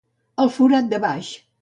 El forat de baix.